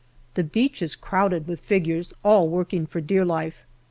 The beach is crowded with figures, all working for dear life.